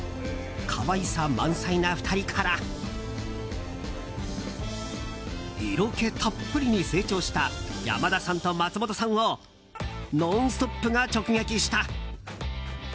可愛さ満載な２人から色気たっぷりに成長した山田さんと松本さんを「ノンストップ！」が直撃した。